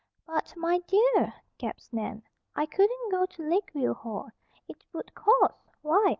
"But, my DEAR!" gasped Nan. "I couldn't go to Lakeview Hall. It would cost, why!